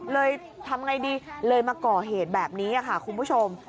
เลยทำไงดีเลยมาก่อเหตุแบบนี้ค่ะคุณผู้ชม